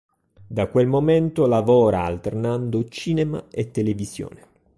Da quel momento lavora alternando cinema e televisione.